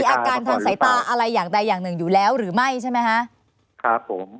อาการทางสายตาอะไรอย่างใดอย่างหนึ่งอยู่แล้วหรือไม่ใช่ไหมคะครับผม